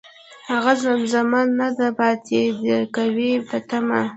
هغه زمزمه نه ده پاتې، ،دی که وي په تمه